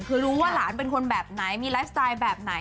คือรู้ว่าหลานเป็นคนแบบไหนมีไลฟ์สไตล์แบบไหน